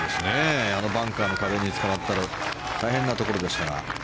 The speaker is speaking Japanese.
あのバンカーの壁につかまったら大変なところでしたが。